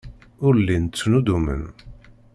Ur llin ttnuddumen.